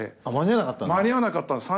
間に合わなかったんです。